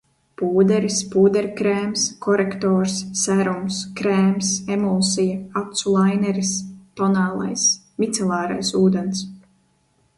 Pūderis, pūderkrēms, korektors, serums, krēms, emulsija, acu laineris, tonālais. Micelārais ūdens.